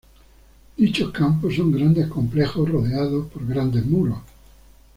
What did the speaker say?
Dichos campos son grandes complejos rodeados por grandes muros.